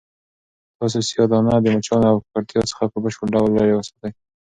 تاسو سیاه دانه د مچانو او ککړتیا څخه په بشپړ ډول لیرې وساتئ.